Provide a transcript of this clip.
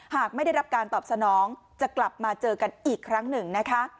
หากไม่ได้รับการตอบสนองจะกลับมาเจอกันอีกครั้งหนึ่งนะคะ